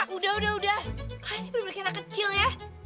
udah udah udah kau ini bener bener kira kecil ya